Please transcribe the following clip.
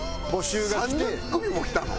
３０組もきたの？